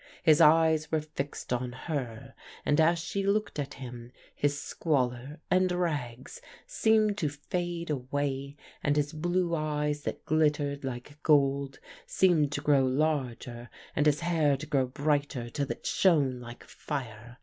His eyes were fixed on her, and as she looked at him his squalor and rags seemed to fade away and his blue eyes that glittered like gold seemed to grow larger, and his hair to grow brighter till it shone like fire.